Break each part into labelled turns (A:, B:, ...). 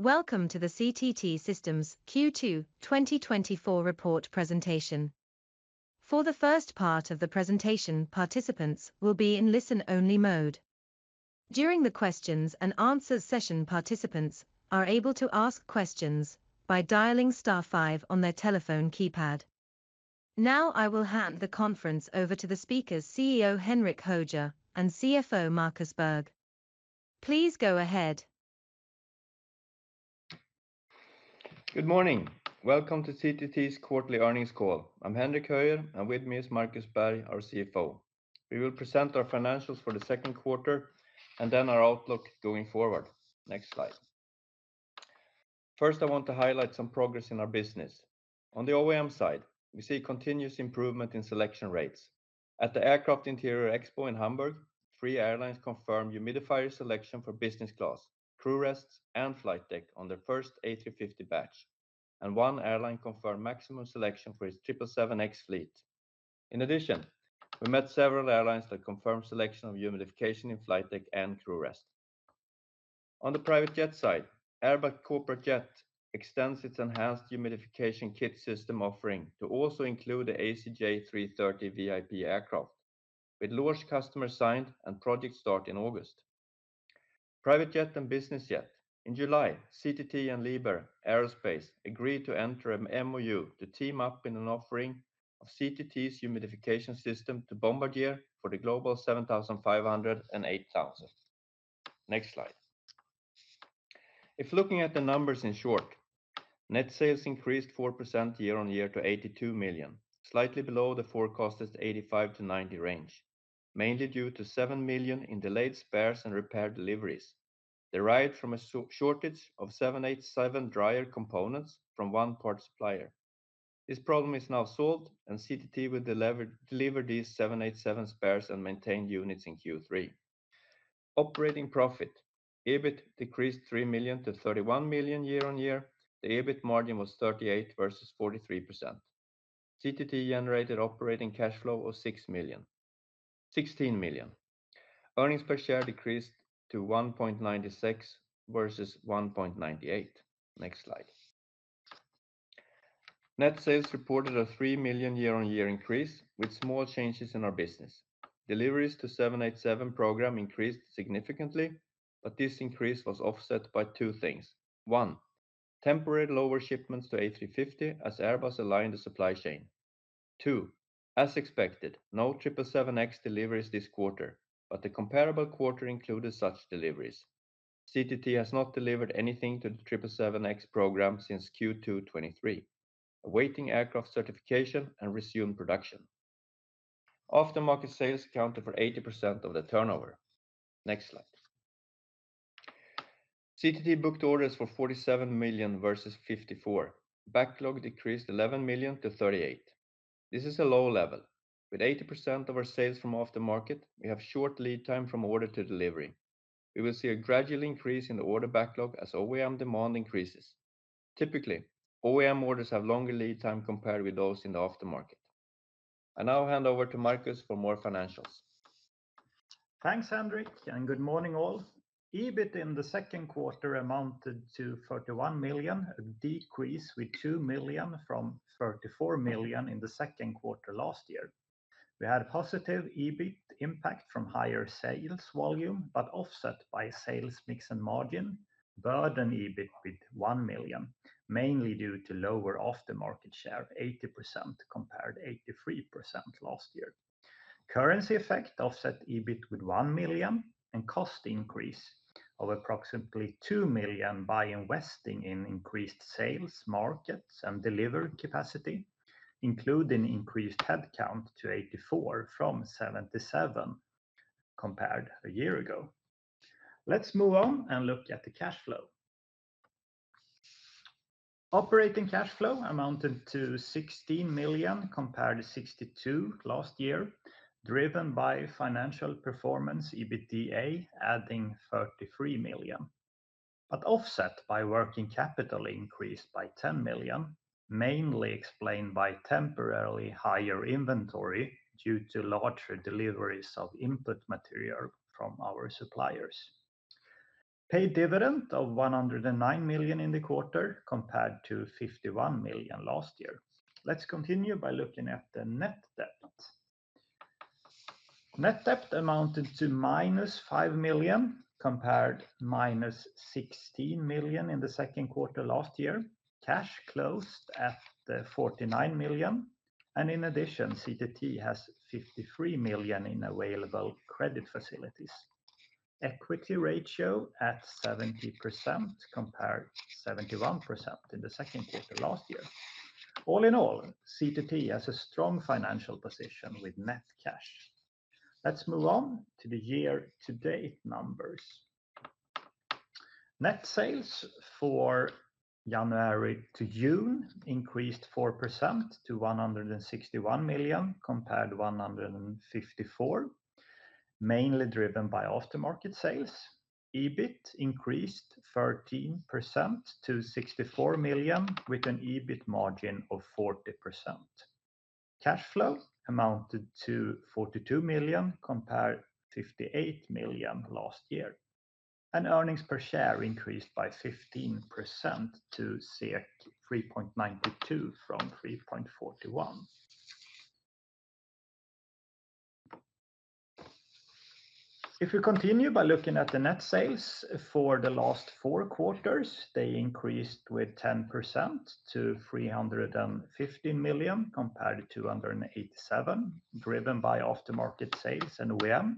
A: Welcome to the CTT Systems Q2 2024 report presentation. For the first part of the presentation, participants will be in listen-only mode. During the questions and answers session, participants are able to ask questions by dialing star five on their telephone keypad. Now, I will hand the conference over to the speakers, CEO Henrik Höjer and CFO Markus Berg. Please go ahead.
B: Good morning. Welcome to CTT's quarterly earnings call. I'm Henrik Höjer, and with me is Markus Berg, our CFO. We will present our financials for the second quarter, and then our outlook going forward. Next slide. First, I want to highlight some progress in our business. On the OEM side, we see continuous improvement in selection rates. At the Aircraft Interiors Expo in Hamburg, three airlines confirmed humidifier selection for business class, crew rests, and flight deck on their first A350 batch, and one airline confirmed maximum selection for its 777X fleet. In addition, we met several airlines that confirmed selection of humidification in flight deck and crew rest. On the private jet side, Airbus Corporate Jets extends its enhanced humidification kit system offering to also include the ACJ330 VIP aircraft, with large customer signed and project start in August. Private jet and business jet. In July, CTT and Liebherr-Aerospace agreed to enter an MOU to team up in an offering of CTT's humidification system to Bombardier for the Global 7500 and 8000. Next slide. If looking at the numbers, in short, net sales increased 4% year-over-year to 82 million, slightly below the forecasted 85 million-90 million range, mainly due to 7 million in delayed spares and repair deliveries, derived from a shortage of 787 dryer components from one part supplier. This problem is now solved, and CTT will deliver these 787 spares and maintenance units in Q3. Operating profit, EBIT decreased 3 million to 31 million year-over-year. The EBIT margin was 38% versus 43%. CTT generated operating cash flow of 16 million. Earnings per share decreased to 1.96 versus 1.98. Next slide. Net sales reported a 3 million year-on-year increase, with small changes in our business. Deliveries to 787 program increased significantly, but this increase was offset by two things. One, temporary lower shipments to A350 as Airbus aligned the supply chain. Two, as expected, no 777X deliveries this quarter, but the comparable quarter included such deliveries. CTT has not delivered anything to the 777X program since Q2 2023, awaiting aircraft certification and resume production. Aftermarket sales accounted for 80% of the turnover. Next slide. CTT booked orders for 47 million versus 54 million. Backlog decreased 11 million to 38 million. This is a low level. With 80% of our sales from aftermarket, we have short lead time from order to delivery. We will see a gradual increase in the order backlog as OEM demand increases. Typically, OEM orders have longer lead time compared with those in the aftermarket. I now hand over to Marcus for more financials.
C: Thanks, Henrik, and good morning, all. EBIT in the second quarter amounted to 31 million, a decrease with 2 million from 34 million in the second quarter last year. We had a positive EBIT impact from higher sales volume, but offset by sales mix and margin, burden EBIT with 1 million, mainly due to lower OEM market share, 80% compared to 83% last year. Currency effect offset EBIT with 1 million, and cost increase of approximately 2 million by investing in increased sales markets and delivery capacity, including increased headcount to 84 from 77, compared a year ago. Let's move on and look at the cash flow. Operating cash flow amounted to 16 million compared to 62 million last year, driven by financial performance, EBITDA, adding 33 million, but offset by working capital increased by 10 million, mainly explained by temporarily higher inventory due to larger deliveries of input material from our suppliers. Paid dividend of 109 million in the quarter, compared to 51 million last year. Let's continue by looking at the net debt. Net debt amounted to -5 million, compared -16 million in the second quarter last year. Cash closed at 49 million, and in addition, CTT has 53 million in available credit facilities. Equity ratio at 70%, compared to 71% in the second quarter last year. All in all, CTT has a strong financial position with net cash. Let's move on to the year-to-date numbers. Net sales for January to June increased 4% to 161 million compared to 154 million, mainly driven by aftermarket sales. EBIT increased 13% to 64 million, with an EBIT margin of 40%. Cash flow amounted to 42 million, compared 58 million last year, and earnings per share increased by 15% to 3.92 from 3.41. If you continue by looking at the net sales for the last four quarters, they increased 10% to 350 million, compared to 287 million, driven by aftermarket sales and OEM.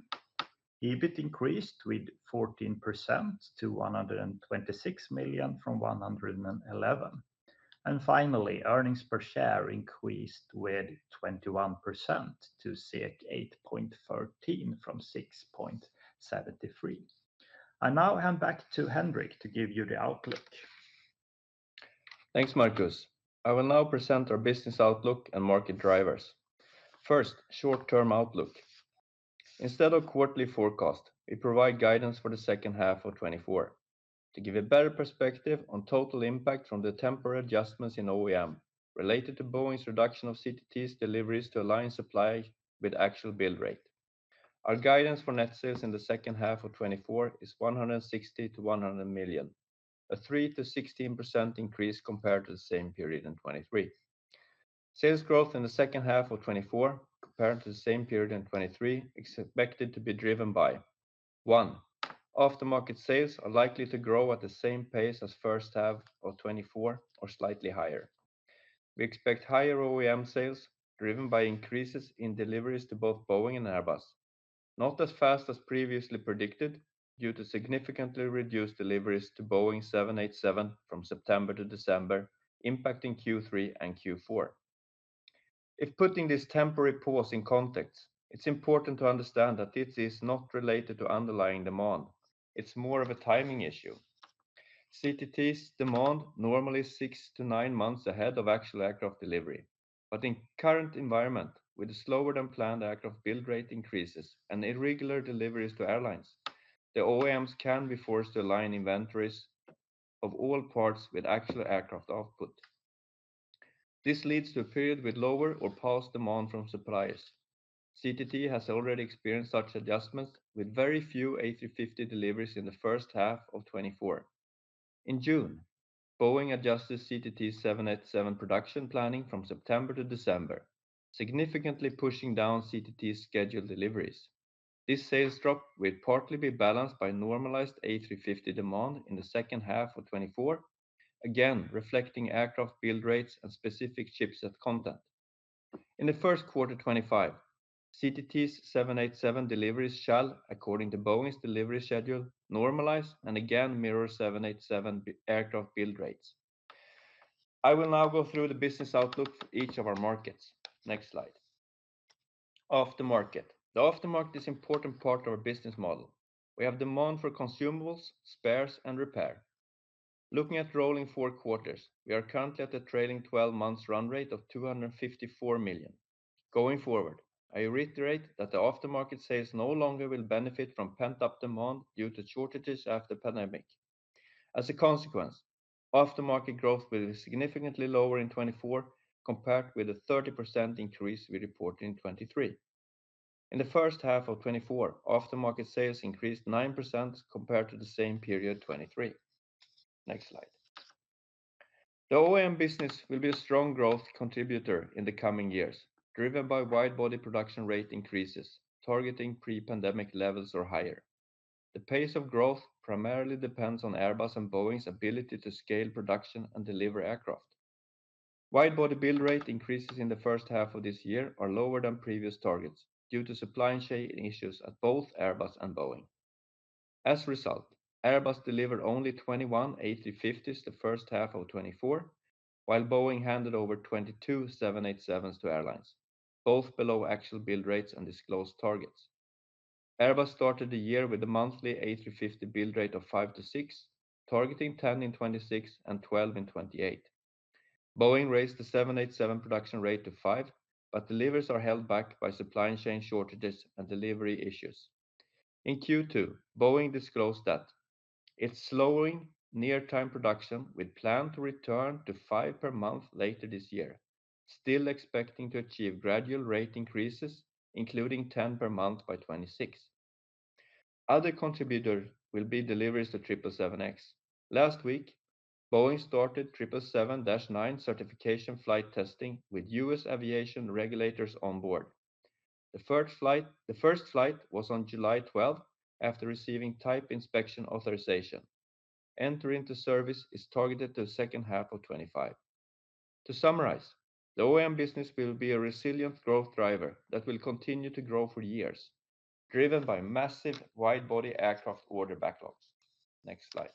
C: EBIT increased 14% to 126 million from 111 million. And finally, earnings per share increased 21% to 8.13 from 6.73. I now hand back to Henrik to give you the outlook.
B: Thanks, Markus. I will now present our business outlook and market drivers. First, short-term outlook. Instead of quarterly forecast, we provide guidance for the second half of 2024. To give a better perspective on total impact from the temporary adjustments in OEM, related to Boeing's reduction of CTT's deliveries to align supply with actual build rate. Our guidance for net sales in the second half of 2024 is 160 million-100 million, a 3%-16% increase compared to the same period in 2023. Sales growth in the second half of 2024, compared to the same period in 2023, is expected to be driven by: one, aftermarket sales are likely to grow at the same pace as first half of 2024 or slightly higher. We expect higher OEM sales, driven by increases in deliveries to both Boeing and Airbus, not as fast as previously predicted, due to significantly reduced deliveries to Boeing 787 from September to December, impacting Q3 and Q4. In putting this temporary pause in context, it's important to understand that this is not related to underlying demand. It's more of a timing issue. CTT's demand normally six to nine months ahead of actual aircraft delivery. But in current environment, with the slower-than-planned aircraft build rate increases and irregular deliveries to airlines, the OEMs can be forced to align inventories of all parts with actual aircraft output. This leads to a period with lower or paused demand from suppliers. CTT has already experienced such adjustments, with very few A350 deliveries in the first half of 2024. In June, Boeing adjusted CTT's 787 production planning from September to December, significantly pushing down CTT's scheduled deliveries. This sales drop will partly be balanced by normalized A350 demand in the second half of 2024, again, reflecting aircraft build rates and specific chipset content. In the first quarter 2025, CTT's 787 deliveries shall, according to Boeing's delivery schedule, normalize and again mirror 787 aircraft build rates. I will now go through the business outlook for each of our markets. Next slide. Aftermarket. The aftermarket is important part of our business model. We have demand for consumables, spares, and repair. Looking at rolling four quarters, we are currently at a trailing 12 months run rate of 254 million. Going forward, I reiterate that the aftermarket sales no longer will benefit from pent-up demand due to shortages after pandemic. As a consequence, aftermarket growth will be significantly lower in 2024 compared with a 30% increase we reported in 2023. In the first half of 2024, aftermarket sales increased 9% compared to the same period, 2023. Next slide. The OEM business will be a strong growth contributor in the coming years, driven by wide body production rate increases, targeting pre-pandemic levels or higher. The pace of growth primarily depends on Airbus and Boeing's ability to scale production and deliver aircraft. Wide body build rate increases in the first half of this year are lower than previous targets due to supply chain issues at both Airbus and Boeing. As a result, Airbus delivered only 21 A350s the first half of 2024, while Boeing handed over 22 787s to airlines, both below actual build rates and disclosed targets. Airbus started the year with a monthly A350 build rate of five to six, targeting 10 in 2026 and 12 in 2028. Boeing raised the 787 production rate to five, but deliveries are held back by supply chain shortages and delivery issues. In Q2, Boeing disclosed that it's slowing near-term production with plan to return to five per month later this year, still expecting to achieve gradual rate increases, including 10 per month by 2026. Other contributor will be deliveries to 777X. Last week, Boeing started 777-9 certification flight testing with U.S. aviation regulators on board. The first flight was on July 12th, after receiving Type Inspection Authorization. Entry into service is targeted to the second half of 2025. To summarize, the OEM business will be a resilient growth driver that will continue to grow for years, driven by massive wide-body aircraft order backlogs. Next slide.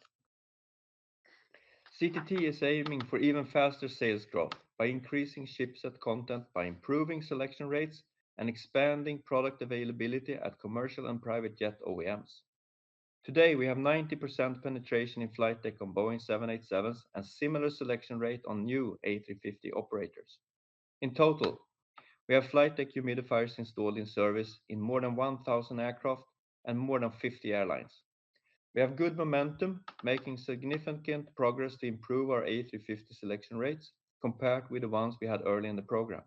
B: CTT is aiming for even faster sales growth by increasing shipset content, by improving selection rates, and expanding product availability at commercial and private jet OEMs. Today, we have 90% penetration in flight deck on Boeing 787s and similar selection rate on new A350 operators. In total, we have flight deck humidifiers installed in service in more than 1,000 aircraft and more than 50 airlines. We have good momentum, making significant progress to improve our A350 selection rates compared with the ones we had early in the program.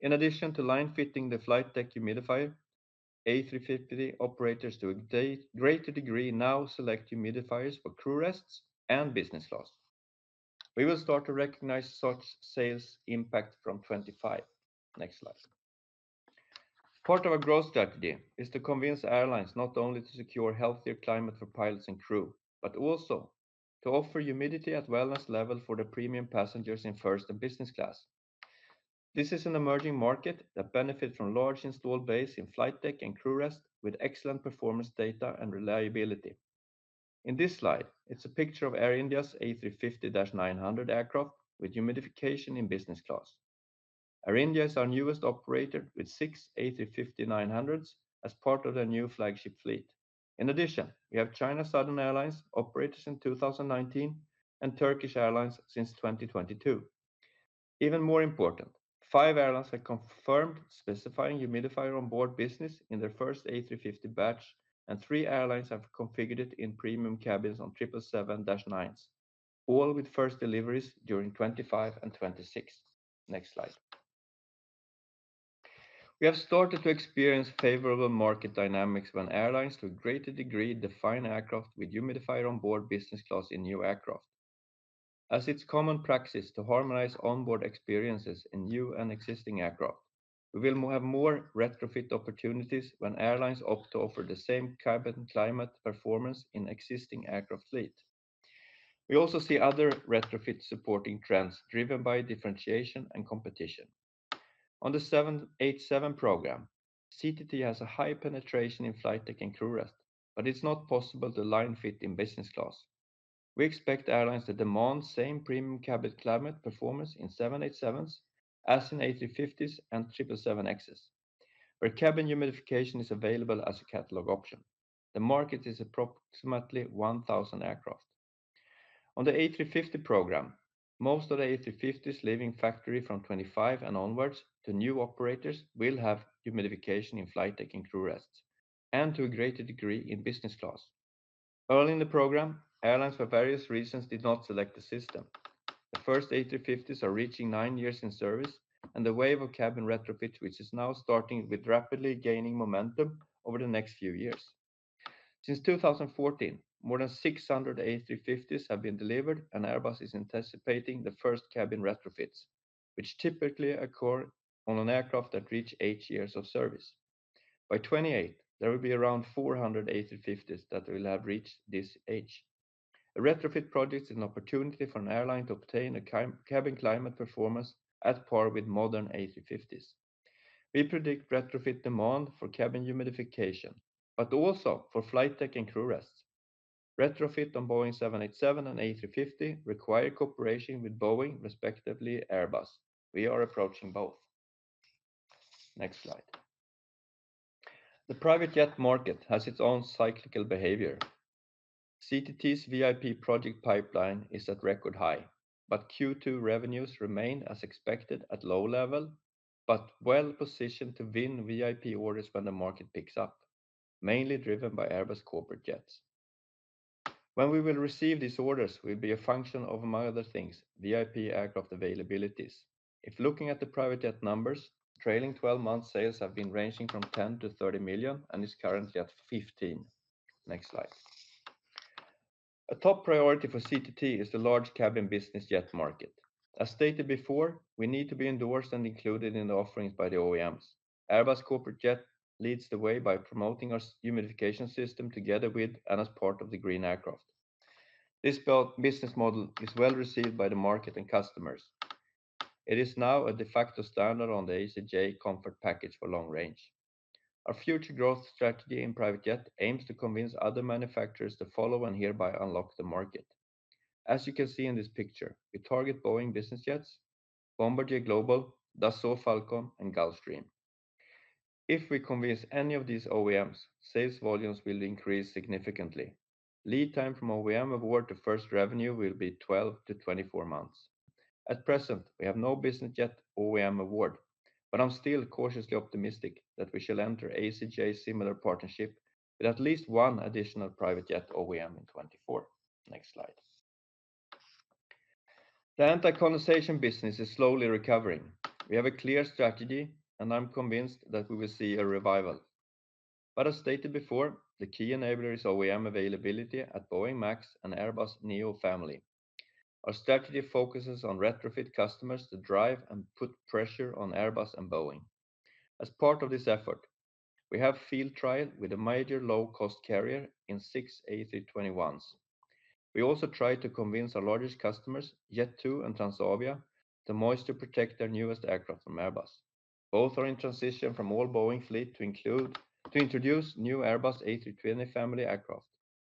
B: In addition to line fitting the flight deck humidifier, A350 operators to a great degree now select humidifiers for crew rests and business class. We will start to recognize such sales impact from 2025. Next slide. Part of our growth strategy is to convince airlines not only to secure healthier climate for pilots and crew, but also to offer humidity at wellness level for the premium passengers in first and business class. This is an emerging market that benefits from large installed base in flight deck and crew rest, with excellent performance data and reliability. In this slide, it's a picture of Air India's A350-900 aircraft with humidification in business class. Air India is our newest operator, with six A350-900s as part of their new flagship fleet. In addition, we have China Southern Airlines, operators in 2019, and Turkish Airlines since 2022. Even more important, five airlines have confirmed specifying Humidifier Onboard business in their first A350 batch, and three airlines have configured it in premium cabins on 777-9s, all with first deliveries during 2025 and 2026. Next slide. We have started to experience favorable market dynamics when airlines, to a greater degree, define aircraft with Humidifier Onboard business class in new aircraft. As it's common practice to harmonize onboard experiences in new and existing aircraft, we will have more retrofit opportunities when airlines opt to offer the same cabin climate performance in existing aircraft fleet. We also see other retrofit supporting trends driven by differentiation and competition. On the 787 program, CTT has a high penetration in flight deck and crew rest, but it's not possible to line fit in business class. We expect airlines to demand same premium cabin climate performance in 787s as in A350s and 777Xs, where cabin humidification is available as a catalog option. The market is approximately 1,000 aircraft. On the A350 program, most of the A350s leaving factory from 2025 and onwards to new operators will have humidification in flight deck and crew rests, and to a greater degree, in business class. Early in the program, airlines, for various reasons, did not select the system. The first A350s are reaching nine years in service, and the wave of cabin retrofit, which is now starting, with rapidly gaining momentum over the next few years. Since 2014, more than 600 A350s have been delivered, and Airbus is anticipating the first cabin retrofits, which typically occur on an aircraft that reach eight years of service. By 2028, there will be around 400 A350s that will have reached this age. A retrofit project is an opportunity for an airline to obtain a cabin climate performance at par with modern A350s. We predict retrofit demand for cabin humidification, but also for flight deck and crew rests. Retrofit on Boeing 787 and A350 require cooperation with Boeing, respectively, Airbus. We are approaching both. Next slide. The private jet market has its own cyclical behavior. CTT's VIP project pipeline is at record high, but Q2 revenues remain as expected, at low level, but well-positioned to win VIP orders when the market picks up, mainly driven by Airbus Corporate Jets. When we will receive these orders will be a function of, among other things, VIP aircraft availabilities. If looking at the private jet numbers, trailing twelve-month sales have been ranging from 10 million-30 million and is currently at 15 million. Next slide. A top priority for CTT is the large cabin business jet market. As stated before, we need to be endorsed and included in the offerings by the OEMs. Airbus Corporate Jets leads the way by promoting our humidification system together with and as part of the green aircraft. This belt business model is well received by the market and customers. It is now a de facto standard on the ACJ Comfort package for long range. Our future growth strategy in private jet aims to convince other manufacturers to follow and hereby unlock the market. As you can see in this picture, we target Boeing Business Jets, Bombardier Global, Dassault Falcon, and Gulfstream. If we convince any of these OEMs, sales volumes will increase significantly. Lead time from OEM award to first revenue will be 12 months-24 months. At present, we have no business jet OEM award, but I'm still cautiously optimistic that we shall enter ACJ similar partnership with at least one additional private jet OEM in 2024. Next slide. The anti-condensation business is slowly recovering. We have a clear strategy, and I'm convinced that we will see a revival. But as stated before, the key enabler is OEM availability at Boeing MAX and Airbus neo family. Our strategy focuses on retrofit customers to drive and put pressure on Airbus and Boeing. As part of this effort, we have field trial with a major low-cost carrier in six A321s. We also try to convince our largest customers, Jet2 and Transavia, to moisture protect their newest aircraft from Airbus. Both are in transition from all Boeing fleet to include—to introduce new Airbus A320 family aircraft.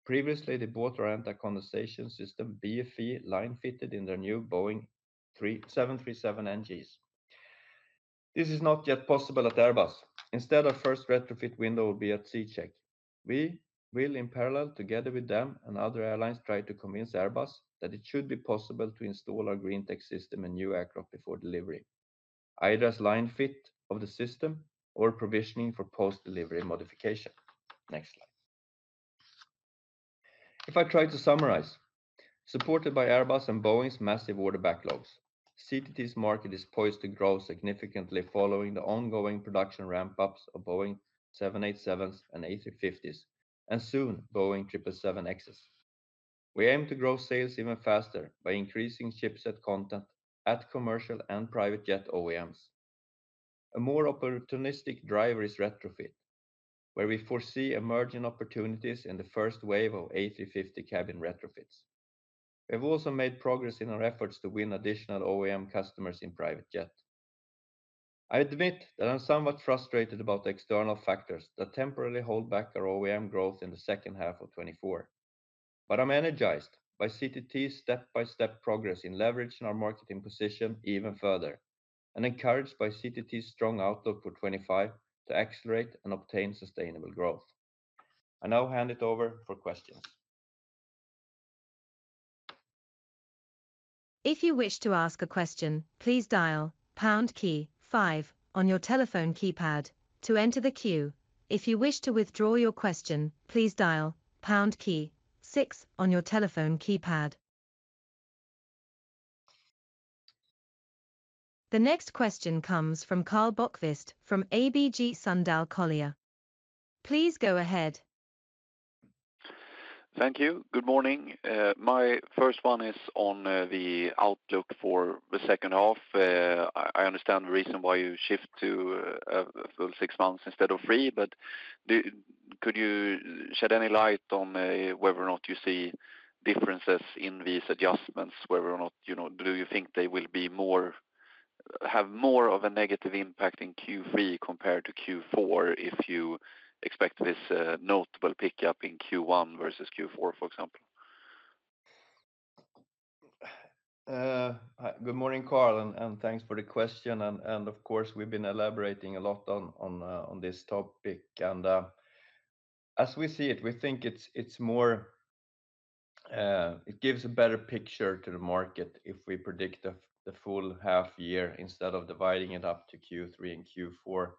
B: Previously, they both ran the anti-condensation system, BFE, line fitted in their new Boeing 737NGs. This is not yet possible at Airbus. Instead, our first retrofit window will be at C-check. We will, in parallel, together with them and other airlines, try to convince Airbus that it should be possible to install our green tech system in new aircraft before delivery, either as line fit of the system or provisioning for post-delivery modification. Next slide. If I try to summarize, supported by Airbus and Boeing's massive order backlogs, CTT's market is poised to grow significantly following the ongoing production ramp-ups of Boeing 787s and A350s, and soon Boeing 777Xs. We aim to grow sales even faster by increasing shipset content at commercial and private jet OEMs. A more opportunistic driver is retrofit, where we foresee emerging opportunities in the first wave of A350 cabin retrofits. We've also made progress in our efforts to win additional OEM customers in private jet. I admit that I'm somewhat frustrated about the external factors that temporarily hold back our OEM growth in the second half of 2024. But I'm energized by CTT's step-by-step progress in leveraging our market position even further, and encouraged by CTT's strong outlook for 2025 to accelerate and obtain sustainable growth. I now hand it over for questions.
A: If you wish to ask a question, please dial pound key five on your telephone keypad to enter the queue. If you wish to withdraw your question, please dial pound key six on your telephone keypad. The next question comes from Karl Bokvist from ABG Sundal Collier. Please go ahead.
D: Thank you. Good morning. My first one is on the outlook for the second half. I understand the reason why you shift to a full six months instead of three, but could you shed any light on whether or not you see differences in these adjustments? Whether or not, you know, do you think they will have more of a negative impact in Q3 compared to Q4, if you expect this notable pickup in Q1 versus Q4, for example?
B: Hi, good morning, Karl, and thanks for the question. Of course, we've been elaborating a lot on this topic. As we see it, we think it's more; it gives a better picture to the market if we predict the full half year instead of dividing it up to Q3 and Q4.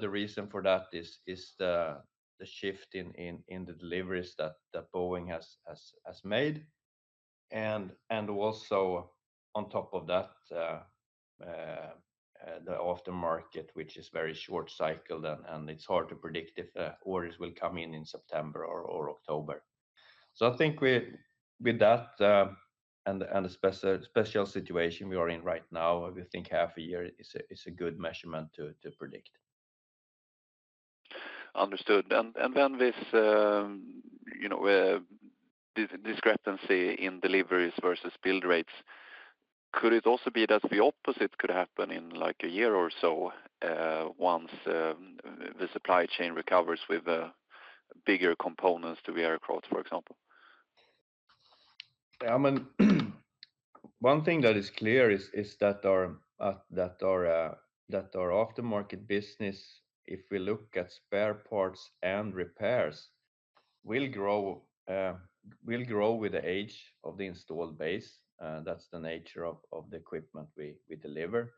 B: The reason for that is the shift in the deliveries that Boeing has made. Also on top of that, the Aftermarket, which is very short cycled, and it's hard to predict if orders will come in September or October. So I think with that, and the special situation we are in right now, we think half a year is a good measurement to predict.
D: Understood. And then this, you know, discrepancy in deliveries versus build rates, could it also be that the opposite could happen in, like, a year or so, once the supply chain recovers with bigger components to the aircraft, for example?
B: Yeah, I mean, one thing that is clear is that our aftermarket business, if we look at spare parts and repairs, will grow with the age of the installed base. That's the nature of the equipment we deliver,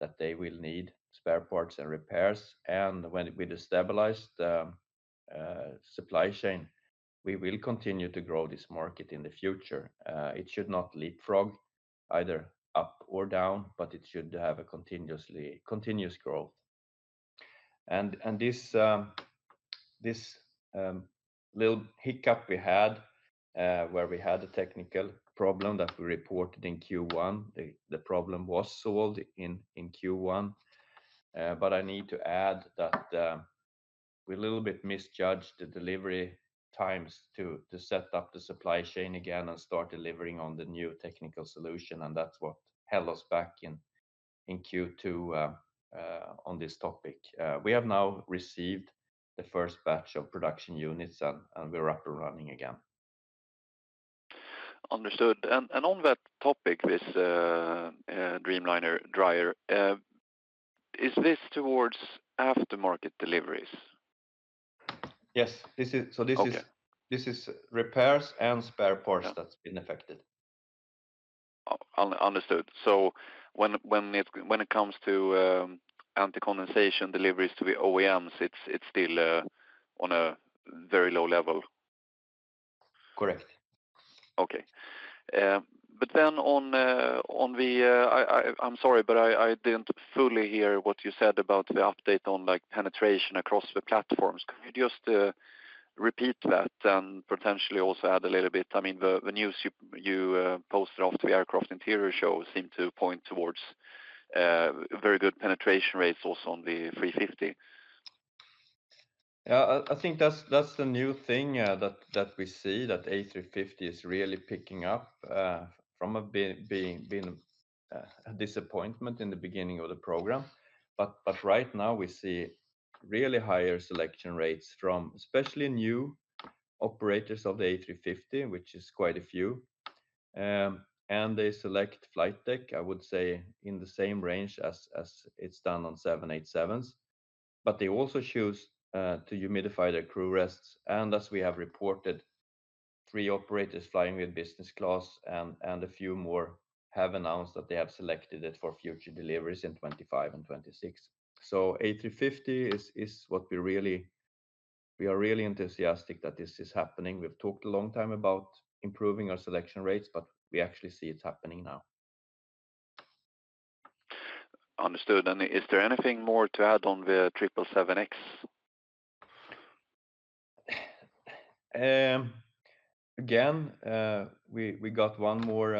B: that they will need spare parts and repairs. And when we stabilize the supply chain, we will continue to grow this market in the future. It should not leapfrog either up or down, but it should have continuous growth. And this little hiccup we had, where we had a technical problem that we reported in Q1, the problem was solved in Q1. But I need to add that, we a little bit misjudged the delivery times to set up the supply chain again and start delivering on the new technical solution, and that's what held us back in Q2 on this topic. We have now received the first batch of production units, and we're up and running again.
D: Understood. And on that topic, this Dreamliner dryer, is this toward aftermarket deliveries?
B: Yes.
D: Okay.
B: So this is repairs and spare parts-
D: Yeah
B: That's been affected.
D: Understood. So when it comes to anti-condensation deliveries to the OEMs, it's still on a very low level?
B: Correct.
D: Okay. But then on the update on, like, penetration across the platforms. I'm sorry, but I didn't fully hear what you said about the update on, like, penetration across the platforms. Could you just repeat that and potentially also add a little bit? I mean, the news you posted on the Aircraft Interiors Expo seem to point towards very good penetration rates also on the A350.
B: Yeah, I think that's the new thing that we see, that A350 is really picking up from being a disappointment in the beginning of the program. But right now we see really higher selection rates from especially new operators of the A350, which is quite a few. And they select flight deck, I would say, in the same range as it's done on 787s. But they also choose to humidify their crew rests. And as we have reported, three operators flying with business class and a few more have announced that they have selected it for future deliveries in 2025 and 2026. So A350 is what we really are really enthusiastic that this is happening. We've talked a long time about improving our selection rates, but we actually see it's happening now.
D: Understood. Is there anything more to add on the 777X?
B: Again, we got one more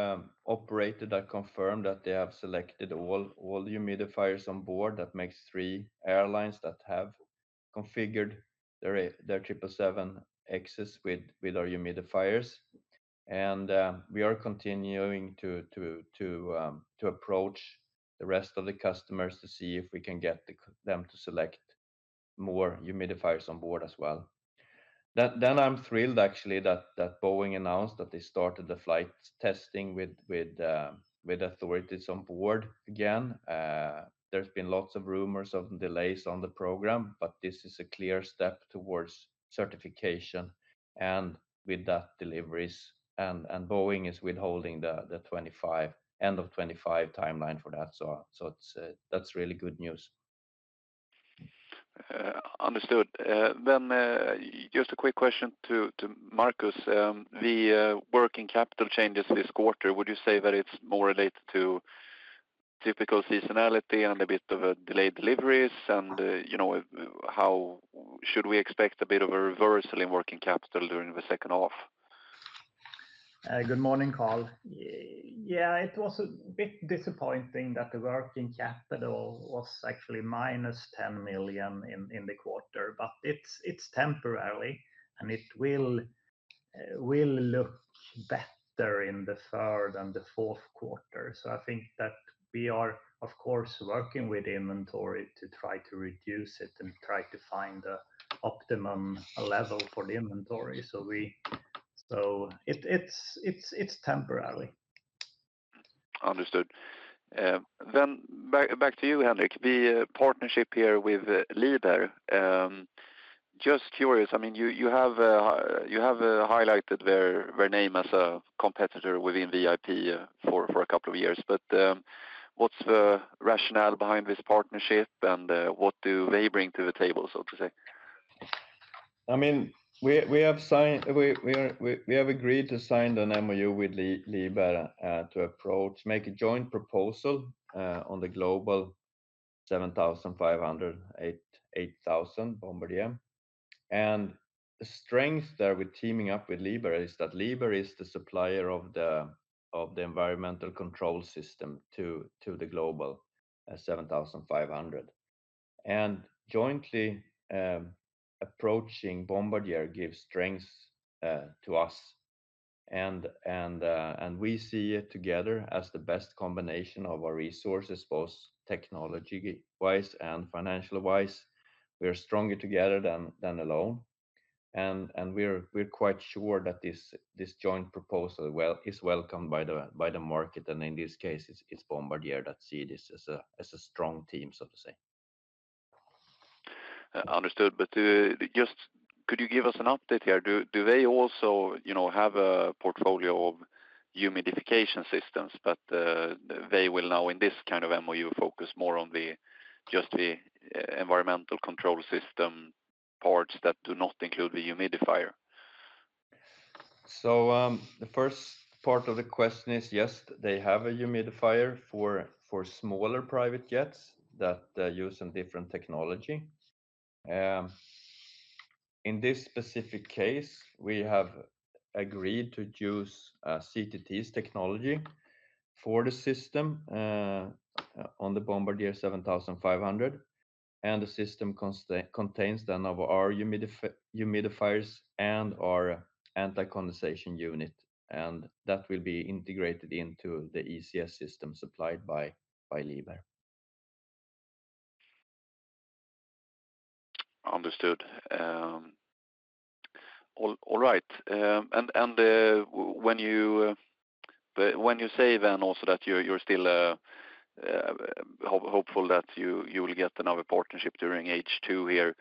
B: operator that confirmed that they have selected all humidifiers on board. That makes three airlines that have configured their 777Xs with our humidifiers. And we are continuing to approach the rest of the customers to see if we can get them to select more humidifiers on board as well. Then I'm thrilled actually that Boeing announced that they started the flight testing with authorities on board again. There's been lots of rumors of delays on the program, but this is a clear step towards certification and with that, deliveries. And Boeing is withholding the 2025 end of 2025 timeline for that. So it's that's really good news.
D: Understood. Then, just a quick question to Markus. The working capital changes this quarter, would you say that it's more related to typical seasonality and a bit of a delayed deliveries? And, you know, how should we expect a bit of a reversal in working capital during the second half?
C: Good morning, Karl. Yeah, it was a bit disappointing that the working capital was actually -10 million in the quarter, but it's temporarily, and it will look better in the third and the fourth quarter. So I think that we are, of course, working with inventory to try to reduce it and try to find an optimum level for the inventory. So it’s temporarily.
D: Understood. Then back, back to you, Henrik. The partnership here with Liebherr, just curious, I mean, you, you have, you have, highlighted their, their name as a competitor within VIP for, for a couple of years, but, what's the rationale behind this partnership, and, what do they bring to the table, so to say?
B: I mean, we have agreed to sign an MOU with Liebherr to approach, make a joint proposal on the Global 7500, 8000 Bombardier. And the strength there with teaming up with Liebherr is that Liebherr is the supplier of the environmental control system to the Global 7500. And jointly approaching Bombardier gives strength to us, and we see it together as the best combination of our resources, both technology-wise and financial-wise. We are stronger together than alone. And we're quite sure that this joint proposal well is welcomed by the market, and in this case, it's Bombardier that see this as a strong team, so to say.
D: Understood. But just could you give us an update here? Do they also, you know, have a portfolio of humidification systems, but they will now, in this kind of MOU, focus more on the just the environmental control system parts that do not include the humidifier?
B: The first part of the question is, yes, they have a humidifier for smaller private jets that use some different technology. In this specific case, we have agreed to use CTT's technology for the system on the Bombardier 7500. The system contains then of our humidifiers and our anti-condensation unit, and that will be integrated into the ECS system supplied by Liebherr.
D: Understood. All right. And when you say then also that you're still hopeful that you will get another partnership during H2 here,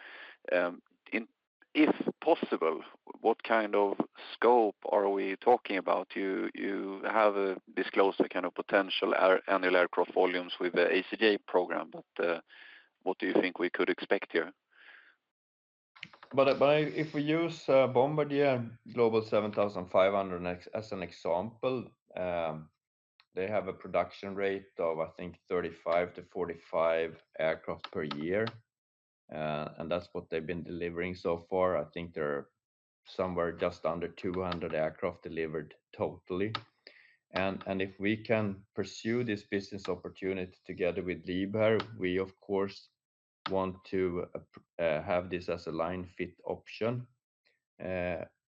D: if possible, what kind of scope are we talking about? You have disclosed the kind of potential annual aircraft volumes with the ACJ program, but what do you think we could expect here?
B: But if we use Bombardier Global 7500 as an example, they have a production rate of, I think, 35 aircraft-45 aircraft per year. And that's what they've been delivering so far. I think they're somewhere just under 200 aircraft delivered totally. And if we can pursue this business opportunity together with Liebherr, we of course want to have this as a line-fit option,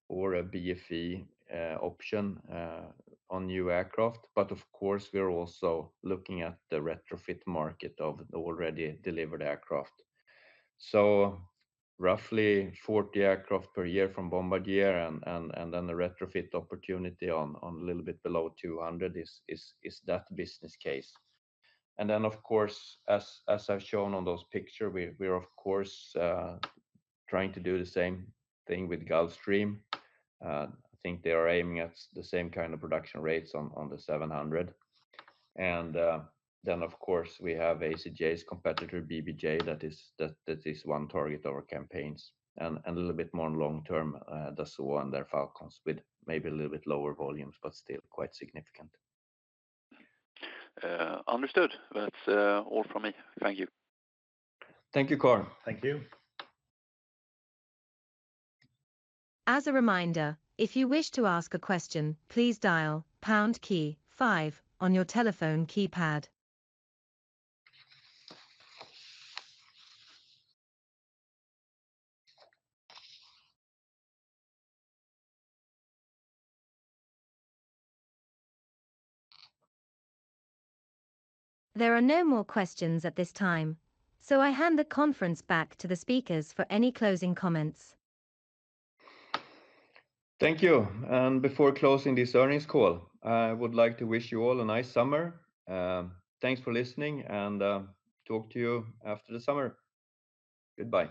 B: or a BFE option, on new aircraft. But of course, we are also looking at the retrofit market of the already delivered aircraft. So roughly 40 aircraft per year from Bombardier and then the retrofit opportunity on a little bit below 200 is that business case. And then, of course, as I've shown on those pictures, we're of course trying to do the same thing with Gulfstream. I think they are aiming at the same kind of production rates on the 700. And then, of course, we have ACJ's competitor, BBJ, that is one target of our campaigns. And a little bit more long term, Dassault and their Falcons with maybe a little bit lower volumes, but still quite significant.
D: Understood. That's all from me. Thank you.
B: Thank you, Karl.
C: Thank you.
A: As a reminder, if you wish to ask a question, please dial pound key five on your telephone keypad. There are no more questions at this time, so I hand the conference back to the speakers for any closing comments.
B: Thank you. And before closing this earnings call, I would like to wish you all a nice summer. Thanks for listening and talk to you after the summer. Goodbye.